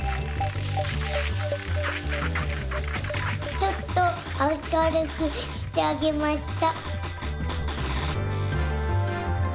ちょっとあかるくしてあげました。